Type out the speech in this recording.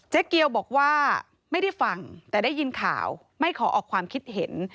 เกียวบอกว่าไม่ได้ฟังแต่ได้ยินข่าวไม่ขอออกความคิดเห็น